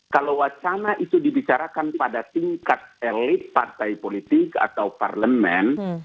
kalau wacana itu dibicarakan pada tingkat elit partai politik atau parlemen